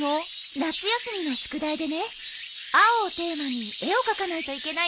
夏休みの宿題でね青をテーマに絵を描かないといけないんだ。